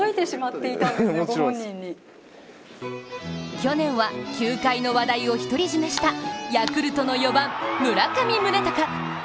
去年は、球界の話題を独り占めしたヤクルトの４番・村上宗隆。